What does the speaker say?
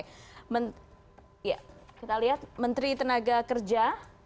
kita lihat menteri tenaga kerja